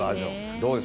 どうです？